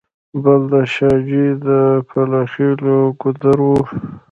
بل د شاه جوی د کلاخېلو ګودر و.